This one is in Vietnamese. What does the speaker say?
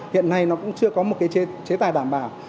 hiện nay nó cũng chưa có một cái chế tài đảm bảo